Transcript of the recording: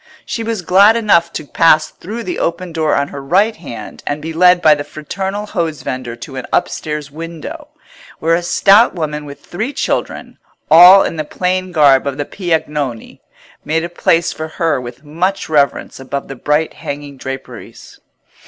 She was glad enough to pass through the open door on her right hand and be led by the fraternal hose vendor to an upstairs window, where a stout woman with three children, all in the plain garb of Piagnoni, made a place for her with much reverence above the bright hanging draperies.